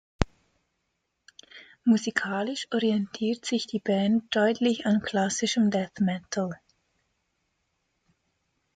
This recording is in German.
Musikalisch orientiert sich die Band deutlich an klassischem Death Metal.